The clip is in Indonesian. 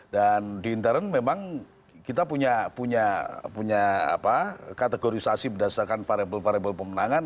di intern memang kita punya kategorisasi berdasarkan variable variable pemenangan